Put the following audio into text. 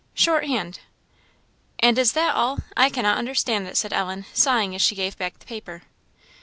"Short hand." "And is that all? I cannot understand it," said Ellen, sighing as she gave back the paper.